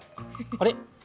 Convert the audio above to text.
あれ？